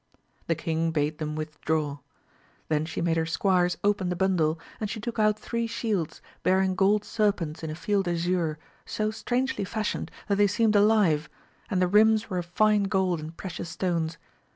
The king bade them withdraw. Then she made her squires open the bundle, and she took out three shields, bearing gold serpents in a field azure, so strangely fashioned that they seemed alive, and the rims were of fine gold and precious stones.